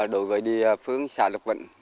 đổi gửi đi phương xã lộc vận